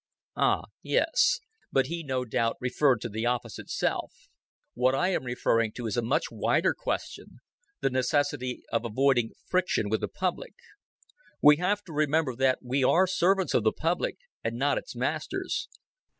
"Ah, yes. But he no doubt referred to the office itself. What I am referring to is a much wider question the necessity of avoiding friction with the public. We have to remember that we are the servants of the public, and not its masters.